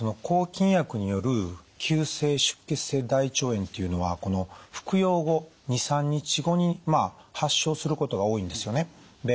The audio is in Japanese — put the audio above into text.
抗菌薬による急性出血性大腸炎っていうのは服用後２３日後に発症することが多いんですよね。